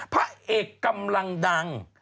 พระเอกกำลังดัง